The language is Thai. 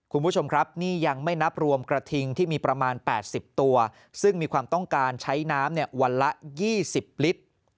คุณผู้ชมครับนี่ยังไม่นับรวมกระทิงที่มีประมาณ๘๐ตัวซึ่งมีความต้องการใช้น้ำวันละ๒๐ลิตร